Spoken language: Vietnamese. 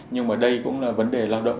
nhưng mà đây cũng là vấn đề lao động